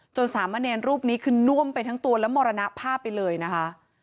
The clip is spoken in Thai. สามะเนรรูปนี้คือน่วมไปทั้งตัวและมรณภาพไปเลยนะคะ